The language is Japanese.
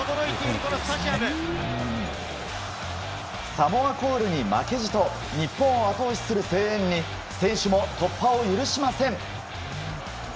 サモアコールに負けじと日本を後押しする声援に選手も突破を許しません。